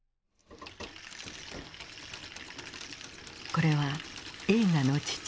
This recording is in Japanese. これは映画の父